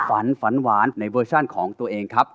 ฝันฝันหวานในเวอร์ชันของตัวเองครับ